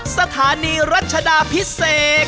สถานีรัชดาพิเศษ